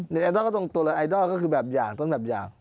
ไอดอลก็ตรงตัวเลยไอดอลก็คือแบบอย่างต้นแบบอย่าง